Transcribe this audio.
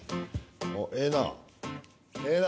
おっええな。